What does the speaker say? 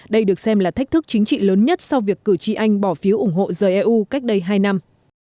đây được xem là thách thức chính trị lớn nhất sau việc cử tri anh bỏ phiếu ủng hộ rời eu cách đây hai năm